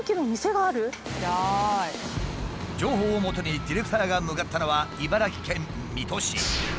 情報をもとにディレクターが向かったのは茨城県水戸市。